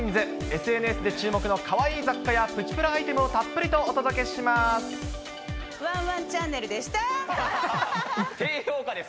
ＳＮＳで注目のかわいい雑貨やプチプラアイテムをたっぷりとお届けします。